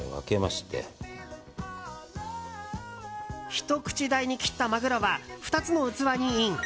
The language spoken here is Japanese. ひと口大に切ったマグロは２つの器にイン。